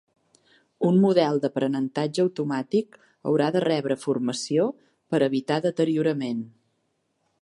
Un model d"aprenentatge automàtic haurà de rebre formació per evitar deteriorament.